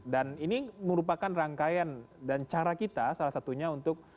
dan ini merupakan rangkaian dan cara kita salah satunya untuk